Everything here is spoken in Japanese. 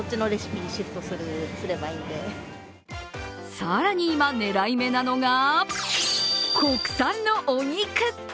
更に今、狙い目なのが国産のお肉。